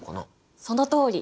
そのとおり！